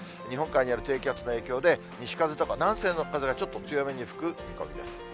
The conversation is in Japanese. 日本海にある低気圧の影響で、西風とか、南西の風がちょっと強めに吹く見込みです。